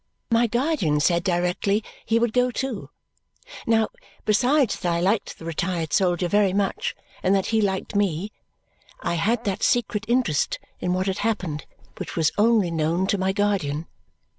My guardian said directly he would go too. Now, besides that I liked the retired soldier very much and that he liked me, I had that secret interest in what had happened which was only known to my guardian.